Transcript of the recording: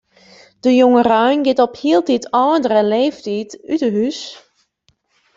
De jongerein giet op hieltyd âldere leeftiid út 'e hús.